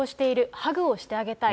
ハグをしてあげたい。